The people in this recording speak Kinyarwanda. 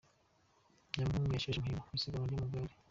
Nyamuhungu yesheje umuhigo mu isiganwa ry’amagare